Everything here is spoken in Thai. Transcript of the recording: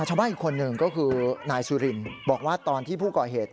ชาวบ้านอีกคนหนึ่งก็คือนายสุรินบอกว่าตอนที่ผู้ก่อเหตุ